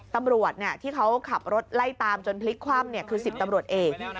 ตำรวจที่เขาขับรถไล่ตามจนพลิกคว่ำคือ๑๐ตำรวจเอก